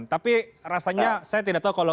tapi rasanya saya tidak tahu kalau